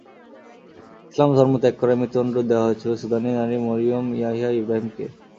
ইসলাম ধর্ম ত্যাগ করায় মৃত্যুদণ্ড দেওয়া হয়েছিল সুদানি নারী মরিয়ম ইয়াহিয়া ইবরাহিমকে।